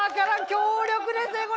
強力ですね。